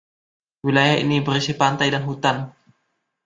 Wilayah ini berisi pantai dan hutan.